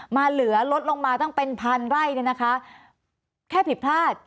มาเหลือลดลงมาต้องเป็นพันไร้แค่ผิดพลาด